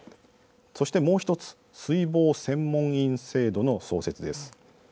そして、もう１つ水防専門員制度の創設です。